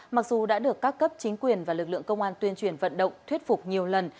mặc dù đã được các cấp chính quyền và lực lượng công an tuyên truyền vận động thuyết phục nhiều lần